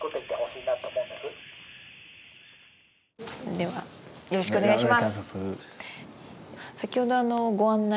ではよろしくお願いします。